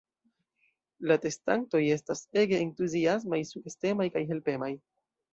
La testantoj estas ege entuziasmaj, sugestemaj kaj helpemaj.